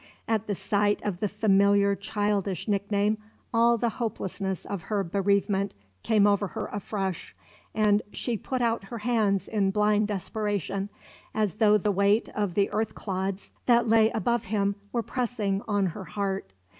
At the sight of the familiar childish nickname all the hopelessness of her bereavement came over her afresh, and she put out her hands in blind desperation, as though the weight of the earth clods that lay above him were pressing on her heart.